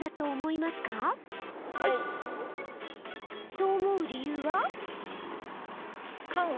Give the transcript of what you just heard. そう思う理由は？